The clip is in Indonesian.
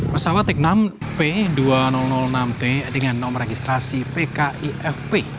pesawat teknam p dua ribu enam t dengan nomor registrasi pkifp